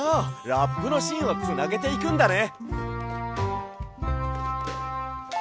ラップのしんをつなげていくんだね！